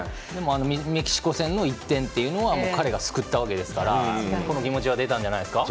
メキシコ戦の１点は彼が救ったわけですから気持ちが出たんじゃないですか。